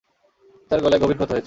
তার গলায় গভীর ক্ষত হয়েছে।